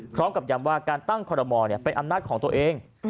พร้อมกับย้ำว่าการตั้งคอรมอลเป็นอำนาจของตัวเอง